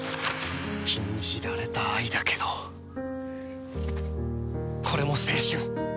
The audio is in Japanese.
禁じられた愛だけどこれも青春。